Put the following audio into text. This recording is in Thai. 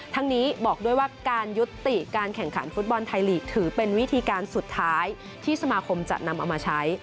นี้บอกด้วยว่าการยุติการแข่งขันฟุตบอลไทยลีกถือเป็นวิธีการสุดท้ายที่สมาคมจะนำเอามาใช้